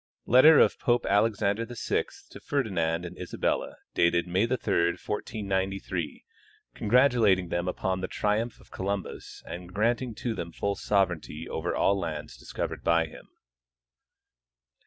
Letter of Pope Alexander VI to Ferdinand and Isabella, dated May 3, 1493, congratulating them upon the triumph of Columbus and granting to them full sovereignty over all lands discovered by him.